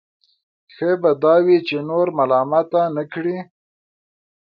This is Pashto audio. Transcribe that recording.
ښه به دا وي چې نور ملامته نه کړي.